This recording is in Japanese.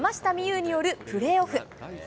有によるプレーオフ。